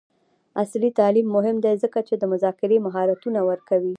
عصري تعلیم مهم دی ځکه چې د مذاکرې مهارتونه ورکوي.